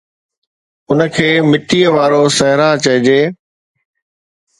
ان کي مٽيءَ وارو صحرا چئجي